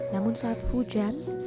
namun saat hujan